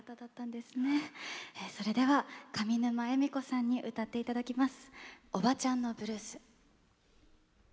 では、上沼恵美子さんに歌っていただきます。